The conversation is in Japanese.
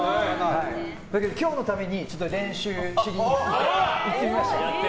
だけど、今日のために一度練習しに行ってみました。